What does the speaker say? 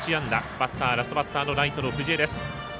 バッター、ラストバッターのライトの藤江です。